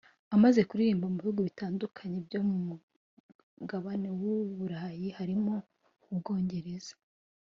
Amaze kuririmba mu bihugu bitandukanye byo ku Mugabane w’u burayi harimo u Bwongereza